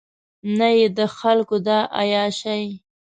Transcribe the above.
نه یې د خلکو دا عیاشۍ.